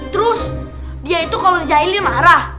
terus dia itu kalau dijailin marah